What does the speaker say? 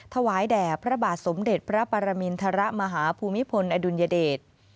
ถวายแด่พระบาทสมเด็จพระปรมินทรมาฮภูมิพลอดุลยเดช